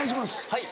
はい。